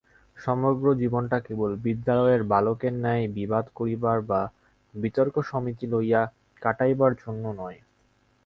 সমগ্র জীবনটা কেবল বিদ্যালয়ের বালকের ন্যায় বিবাদ করিবার বা বিতর্কসমিতি লইয়া কাটাইবার জন্য নয়।